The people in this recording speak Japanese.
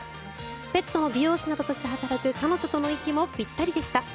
ペットの美容師として働く彼女との息もぴったりでした。